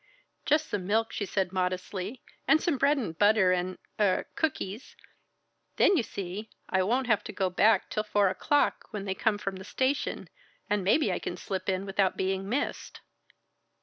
"Just some milk," she said modestly, "and some bread and butter and er cookies. Then, you see, I won't have to go back till four o'clock when they come from the station, and maybe I can slip in without being missed."